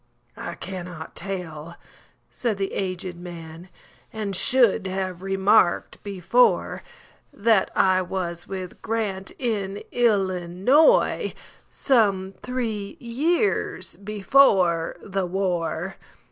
"I cannot tell," said the aged man,"And should have remarked before, That I was with Grant,—in Illinois,—Some three years before the war."